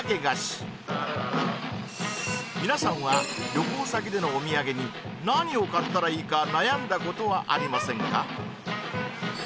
菓子皆さんは旅行先でのおみやげに何を買ったらいいか悩んだことはありませんか？